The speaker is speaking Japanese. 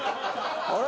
あれ？